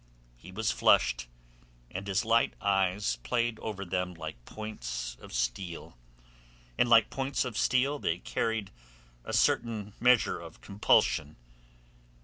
He was flushed, and his light eyes played over them like points of steel, and like points of steel they carried a certain measure of compulsion.